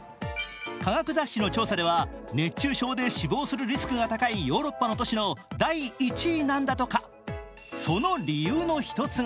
科学雑誌の調査では熱中症で死亡するリスクが高いヨーロッパの都市の第１位なんだとか、その理由の１つが